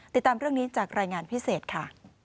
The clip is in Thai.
ติดตามเรื่องนี้จากรายงานพิเศษค่ะ